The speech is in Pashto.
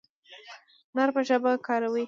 نرمه ژبه کاروئ